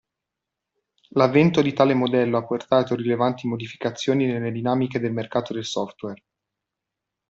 L'avvento di tale modello ha portato rilevanti modificazioni nelle dinamiche del mercato del software.